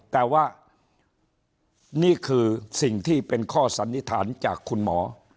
แต่ว่านี่คือสิ่งที่เป็นข้อสันนิษฐานจากคุณหมอ